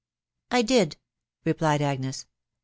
" I did," replied Agnes.